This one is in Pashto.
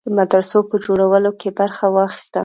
د مدرسو په جوړولو کې برخه واخیسته.